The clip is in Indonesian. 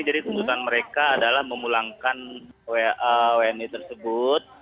jadi tuntutan mereka adalah memulangkan wni tersebut